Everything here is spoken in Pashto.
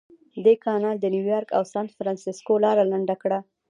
دې کانال د نیویارک او سانفرانسیسکو لاره لنډه کړه.